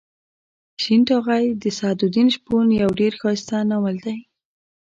شین ټاغۍ د سعد الدین شپون یو ډېر ښایسته ناول دی.